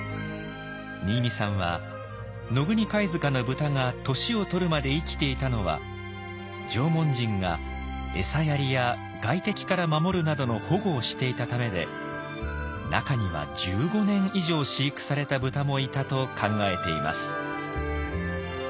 新美さんは野国貝塚のブタが年を取るまで生きていたのは縄文人が餌やりや外敵から守るなどの保護をしていたためで中には１５年以上飼育されたブタもいたと考えています。